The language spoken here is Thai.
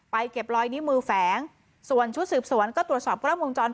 เก็บรอยนิ้วมือแฝงส่วนชุดสืบสวนก็ตรวจสอบกล้องวงจร